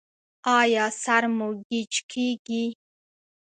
ایا سر مو ګیچ کیږي؟